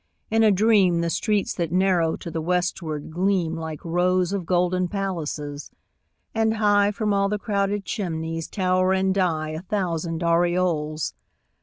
In a dream The streets that narrow to the westward gleam Like rows of golden palaces; and high From all the crowded chimneys tower and die A thousand aureoles.